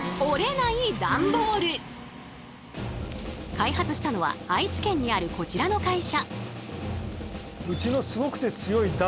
開発したのは愛知県にあるこちらの会社。